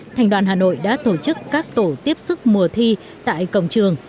thành đoàn hà nội đã tổ chức các tổ tiếp sức mùa thi tại cổng trường